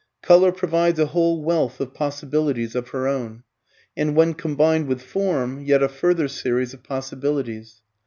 Colour provides a whole wealth of possibilities of her own, and when combined with form, yet a further series of possibilities.